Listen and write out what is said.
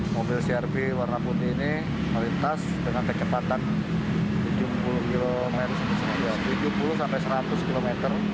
mobil cr v warna putih ini melintas dengan kecepatan tujuh puluh seratus km